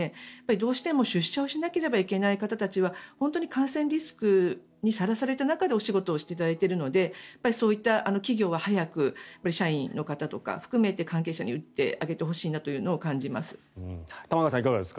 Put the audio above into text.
どうしても出社をしなければいけない方たちは感染リスクにさらされた中でお仕事をしていただいているのでそういった企業は早く社員の方とかを含めて関係者に打ってあげてほしいなと感じます。